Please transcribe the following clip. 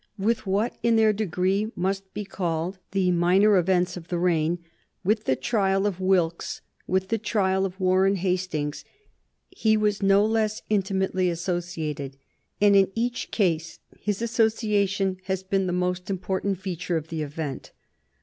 With what in their degree must be called the minor events of the reign with the trial of Wilkes, with the trial of Warren Hastings he was no less intimately associated, and in each case his association has been the most important feature of the event.